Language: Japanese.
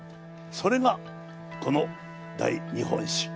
それがこの「大日本史」。